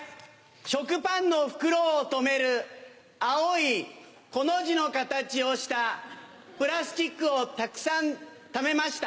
食パンの袋を留める青いコの字の形をしたプラスチックをたくさんためました。